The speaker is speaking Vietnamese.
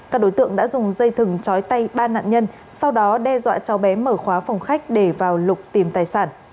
các đối tượng đã dùng dây thừng chói tay ba nạn nhân sau đó đe dọa cháu bé mở khóa phòng khách để vào lục tìm tài sản